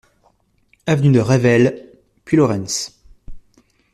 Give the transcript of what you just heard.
Avenue de Revel, Puylaurens